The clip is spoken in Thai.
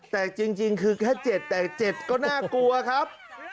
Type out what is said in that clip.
แต่จริงคือแค่๗แต่๗ก็น่ากลัวครับ